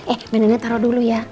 eh badannya taruh dulu ya